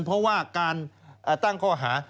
เพราะว่าการตั้งข้อหา